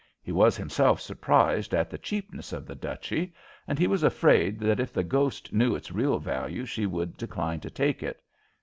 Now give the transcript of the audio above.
He was himself surprised at the cheapness of the duchy, and he was afraid that if the ghost knew its real value she would decline to take it.